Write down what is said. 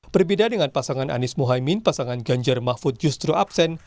berbeda dengan pasangan anies mohaimin pasangan ganjar mahfud justru absen